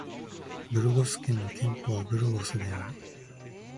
ブルゴス県の県都はブルゴスである